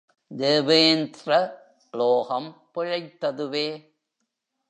தேவேந்த்ர லோகம் பிழைத்ததுவே.